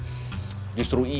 baik pusing aja ga reacting